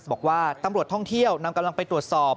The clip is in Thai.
บอกว่าตำรวจท่องเที่ยวนำกำลังไปตรวจสอบ